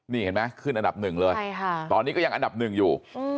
นี่เห็นมั้ยขึ้นอันดับ๑เลยตอนนี้ก็ยังอันดับ๑อยู่